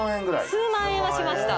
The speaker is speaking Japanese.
数万円はしました。